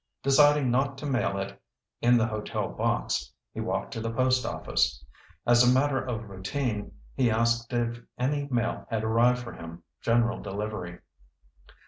Deciding not to mail it in the hotel box, he walked to the post office. As a matter of routine, he asked if any mail had arrived for him, general delivery.